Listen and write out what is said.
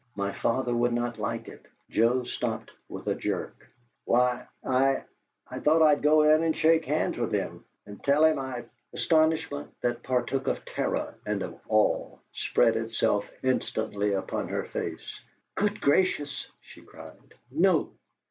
My father would not like it." Joe stopped with a jerk. "Why, I I thought I'd go in and shake hands with him, and tell him I " Astonishment that partook of terror and of awe spread itself instantly upon her face. "Good gracious!" she cried. "NO!"